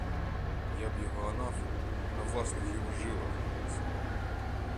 Я б його, анафему, на власних його жилах повісила!